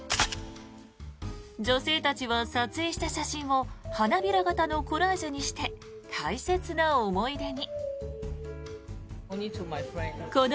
女性たちは撮影した写真を花びら型のコラージュにして大切な思い出に。